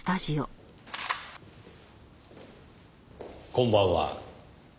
こんばんは。